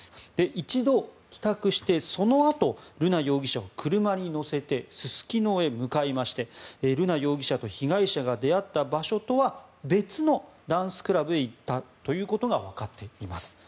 一度、帰宅してそのあと瑠奈容疑者を車に乗せてすすきのに向かいまして瑠奈容疑者と被害者が出会った場所とは別のダンスクラブへ行ったということがわかっています。